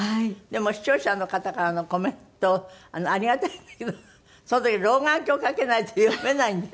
でも視聴者の方からのコメントありがたいんだけどその時老眼鏡かけないと読めないんですって？